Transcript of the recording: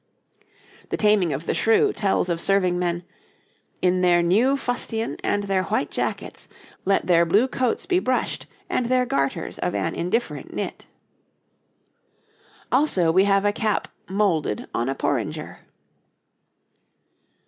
'The Taming of the Shrew' tells of serving men: 'In their new fustian and their white jackets.... Let their blue coats be brushed, and their garters of an indifferent knit.' Also we have a cap 'moulded on a porringer.'